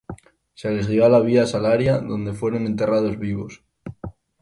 Se les guió a la Vía Salaria donde fueron enterrados vivos.